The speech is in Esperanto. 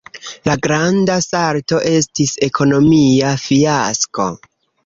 La Granda Salto estis ekonomia fiasko.